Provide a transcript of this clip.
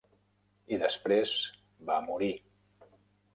I després va morir.